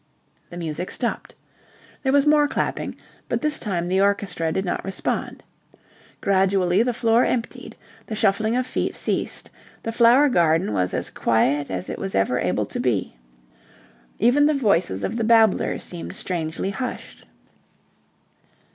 The music stopped. There was more clapping, but this time the orchestra did not respond. Gradually the floor emptied. The shuffling of feet ceased. The Flower Garden was as quiet as it was ever able to be. Even the voices of the babblers seemed strangely hushed.